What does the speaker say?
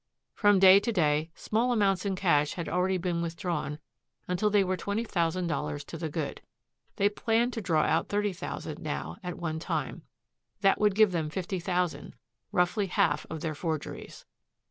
From day to day small amounts in cash had already been withdrawn until they were twenty thousand dollars to the good. They planned to draw out thirty thousand now at one time. That would give them fifty thousand, roughly half of their forgeries.